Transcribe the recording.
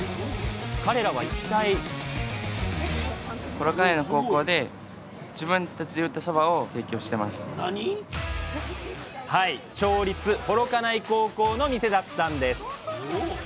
彼らは一体なに⁉町立幌加内高校の店だったんです。